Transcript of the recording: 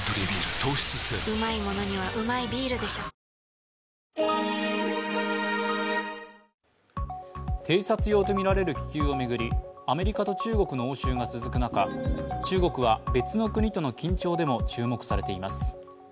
糖質ゼロ偵察用とみられる気球を巡りアメリカと中国の応酬が続く中中国は別の国との緊張でも注目されています。